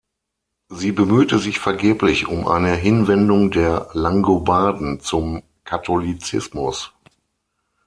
Sie bemühte sich vergeblich um eine Hinwendung der Langobarden zum Katholizismus.